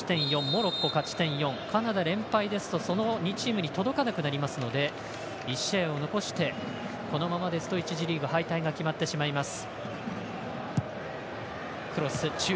モロッコ、勝ち点３カナダ連敗ですとその２チームに届かなくなりますので１試合を残して、このままですと１次リーグ敗退が決まってしまいます。